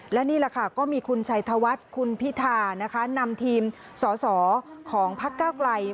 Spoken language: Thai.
และนี่ก็มีคุณชัยธวัฒน์คุณพิธานำทีมสอสอของพระเก้าไกล